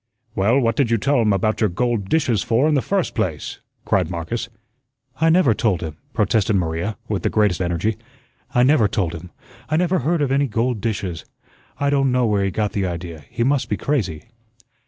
"Well, what did you tell him about your gold dishes for in the first place?" cried Marcus. "I never told him," protested Maria, with the greatest energy. "I never told him; I never heard of any gold dishes. I don' know where he got the idea; he must be crazy."